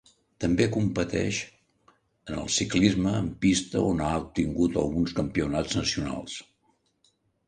També competeix en el ciclisme en pista on ha obtingut alguns campionats nacionals.